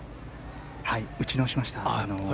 打ち直しました。